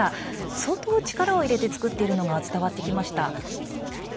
相当、力を入れて作っているのが伝わってきました。